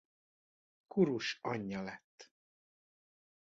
Kurus anyja lett.